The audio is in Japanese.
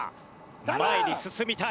前に進みたい。